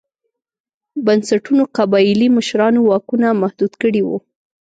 بنسټونو قبایلي مشرانو واکونه محدود کړي وو.